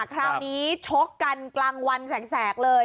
คราวนี้ชกกันกลางวันแสกเลย